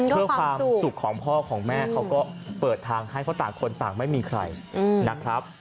เพื่อความสุขของพ่อของแม่เขาก็เปิดทางให้เพราะต่างคนต่างไม่มีใครนะครับ